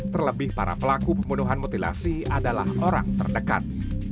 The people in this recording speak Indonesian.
terlebih para pelaku pembunuhan mutilasi adalah orang terdekat